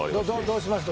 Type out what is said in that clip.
どうしました？